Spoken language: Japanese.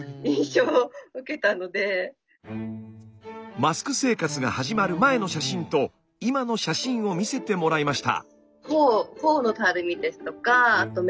マスク生活が始まる前の写真と今の写真を見せてもらいました。